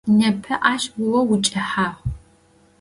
Непэ ащ о укӏэхьагъ.